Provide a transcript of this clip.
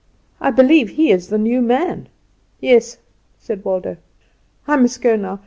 I believe he is the new man." "Yes," said Waldo. "I must go now.